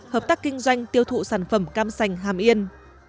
hợp tác kinh doanh tiêu thụ sản phẩm cam sành hàm yên